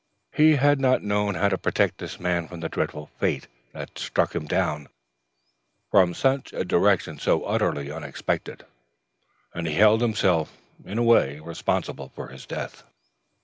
He had not known how to protect this man from the dreadful fate that had struck him down from a direction so utterly unexpected, and he held himself, in a way, responsible for his death.